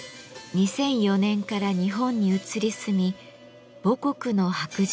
２００４年から日本に移り住み母国の白磁に挑んでいます。